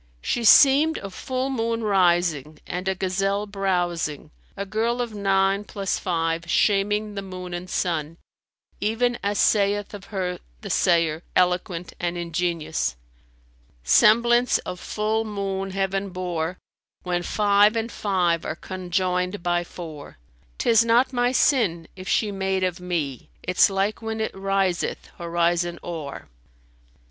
"[FN#287] She seemed a full moon rising and a gazelle browsing, a girl of nine plus five[FN#288] shaming the moon and sun, even as saith of her the sayer eloquent and ingenious, "Semblance of full moon Heaven bore, * When five and five are conjoined by four; 'Tis not my sin if she made of me * Its like when it riseth horizon o'er."